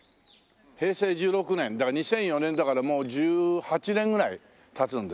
平成１６年だから２００４年だからもう１８年ぐらい経つんですけどもね。